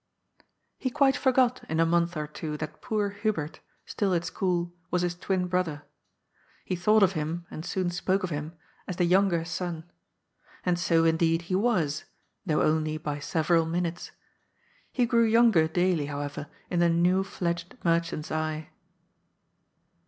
He quite forgot in a month or two that poor Hubert, still at school, was his twin brother. He thought of him, and soon spoke of him, as the younger son. And so, in deed, he was, though only by several minutes. He grew younger daily, however, in the new fledged merchant's eye.